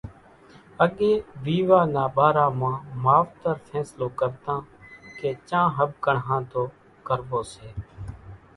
اڳيَ ويوا نا ٻارا مان ماوتر ڦينصلو ڪرتان ڪي چان ۿٻڪڻ ۿانڌو ڪروو سي۔